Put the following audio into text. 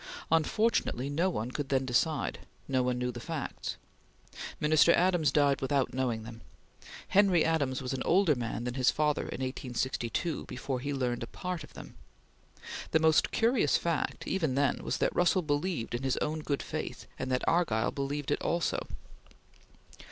Unfortunately no one could then decide; no one knew the facts. Minister Adams died without knowing them. Henry Adams was an older man than his father in 1862, before he learned a part of them. The most curious fact, even then, was that Russell believed in his own good faith and that Argyll believed in it also.